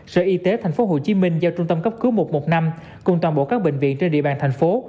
sở y tế tp hcm giao trung tâm cấp cứu một trăm một mươi năm cùng toàn bộ các bệnh viện trên địa bàn thành phố